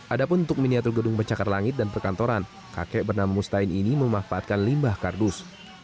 ada pun untuk miniatur gedung pencakar langit dan perkantoran kakek bernama mustain ini memanfaatkan limbah kardus